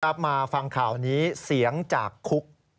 มาฟังข่าวนี้เสียงจากคุก